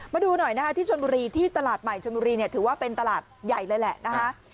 มาดูหน่อยนะคะที่ชนบุรีที่ตลาดใหม่ชนบุรีเนี่ยถือว่าเป็นตลาดใหญ่เลยแหละนะคะ